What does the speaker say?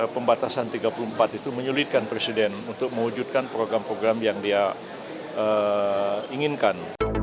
pembatasan tiga puluh empat itu menyulitkan presiden untuk mewujudkan program program yang dia inginkan